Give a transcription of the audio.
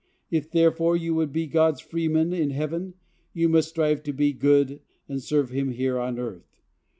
If, therefore, you would be God's freemen in heaven, you must strive to be good and serve him here on earth.